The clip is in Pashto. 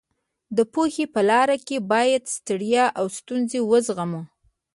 د پوهې په لاره کې باید ستړیا او ستونزې وزغمو.